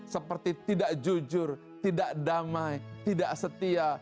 seperti tidak jujur tidak damai tidak setia